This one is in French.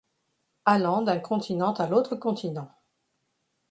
Allant d’un continent à l’autre continent